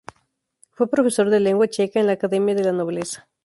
Fue profesor de lengua checa en la Academia de la nobleza.